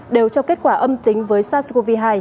đều cho kết quả âm tính với sars cov hai